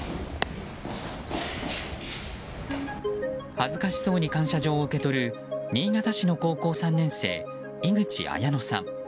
恥ずかしそうに感謝状を受け取る新潟市の高校３年生井口綾乃さん。